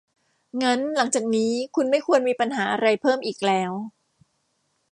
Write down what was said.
งั้น หลังจากนี้คุณไม่ควรมีปัญหาอะไรเพิ่มอีกแล้ว